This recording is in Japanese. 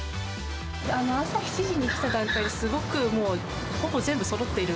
朝７時に来た段階で、すごくもうほぼ全部そろっている。